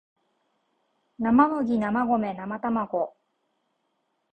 生麦生米生たまご